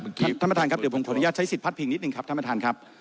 ท่านประธานครับเดี๋ยวผมขออนุญาตใช้สิทธิพัดพิงนิดนึงครับท่านประธานครับ